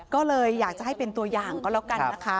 ก็เลยอยากจะให้เป็นตัวอย่างก็แล้วกันนะคะ